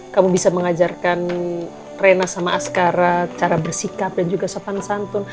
kamu bisa mengajarkan rena sama askara cara bersikap dan juga sopan santun